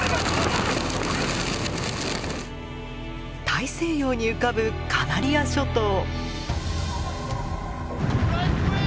大西洋に浮かぶカナリア諸島。